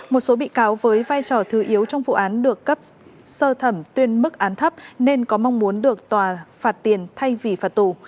một số bị cáo với vai trò thư yếu trong vụ án được cấp sơ thẩm tuyên mức án thấp nên có mong muốn được tòa phạt tiền thay vì phạt tù